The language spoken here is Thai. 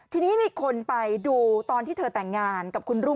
ทีนี้มีคนไปดูตอนที่เธอแต่งงานกับคุณรุ่ง